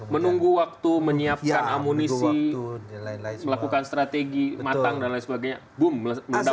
menunggu waktu menyiapkan amunisi melakukan strategi matang dan lain sebagainya